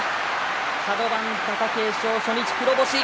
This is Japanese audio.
カド番貴景勝、初日黒星。